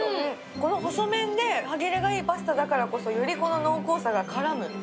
この細麺で歯切れがいいパスタだからこそよりこの濃厚さが絡む。